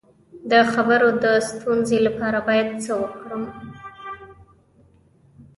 د خبرو د ستونزې لپاره باید څه وکړم؟